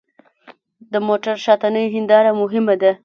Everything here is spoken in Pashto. د موټر شاتنۍ هېنداره مهمه ده.